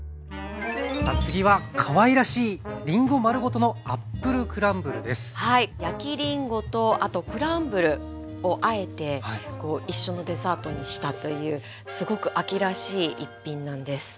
次はかわいらしいりんご丸ごとの焼きりんごとあとクランブルをあえて一緒のデザートにしたというすごく秋らしい一品なんです。